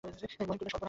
মহিম কহিলেন, সর্বনাশ!